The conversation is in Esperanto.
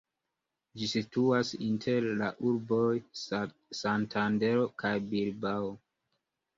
Ĝi situas inter la urboj Santandero kaj Bilbao.